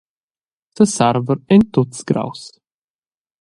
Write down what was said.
Sesarver en tuts graus.